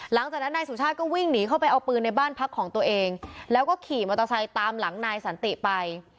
หลังจากนั้นนายสุชาติก็วิ่งหนีเข้าไปเอาปืนในบ้านพักของตัวเองแล้วก็ขี่มอเตอร์ไซค์ตามหลังนายสันติไป